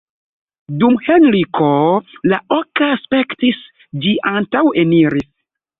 Dum Henriko la oka spektis, ĝi antaŭeniris.